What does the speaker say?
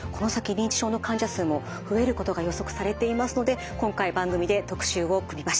認知症の患者数も増えることが予測されていますので今回番組で特集を組みました。